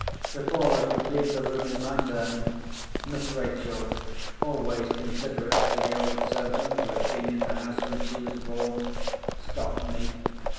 Before I could leave the room in my turn, Miss Rachel, always considerate to the old servant who had been in the house when she was born, stopped me.